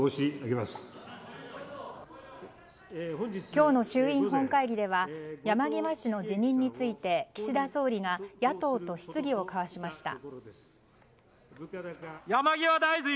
今日の衆院本会議では山際氏の辞任について岸田総理が野党と質疑を交わしました。